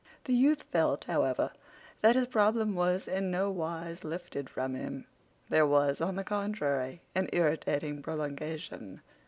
The youth felt, however, that his problem was in no wise lifted from him. There was, on the contrary, an irritating prolongation.